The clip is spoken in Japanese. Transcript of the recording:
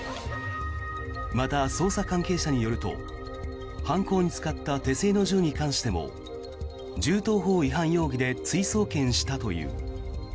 また、捜査関係者によると犯行に使った手製の銃に関しても銃刀法違反容疑で追送検したという。